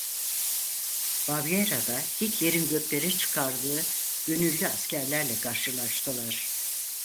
Bavyera'da Hitler'in göklere çıkardığı gönüllü askerlerle karşılaştılar.